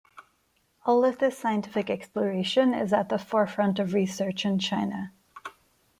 All of this scientific exploration is at the forefront of research in China.